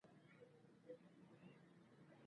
په افغانستان کې د ځمکه د اړتیاوو پوره کولو اقدامات کېږي.